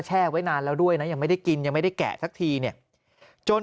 ไว้นานแล้วด้วยนะยังไม่ได้กินยังไม่ได้แกะสักทีเนี่ยจน